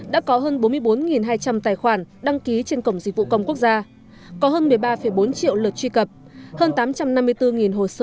đã có hơn bốn mươi bốn hai trăm linh tài khoản